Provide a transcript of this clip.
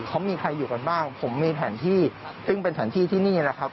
เขามีใครอยู่กันบ้างผมมีแผนที่ซึ่งเป็นแผนที่ที่นี่แหละครับ